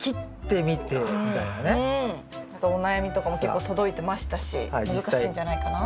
あとお悩みとかも結構届いてましたし難しいんじゃないかな。